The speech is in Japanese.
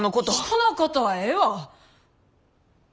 人のことはええわ！